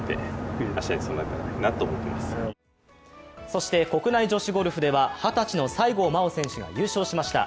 そして国内女子ゴルフでは二十歳の西郷真央選手が優勝しました。